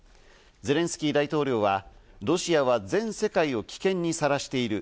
ゼレンスキー大統領はロシアは全世界を危険にさらしている。